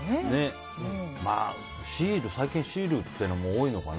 まあ、最近シールっていうのも多いのかな。